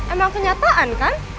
emang kenyataan kan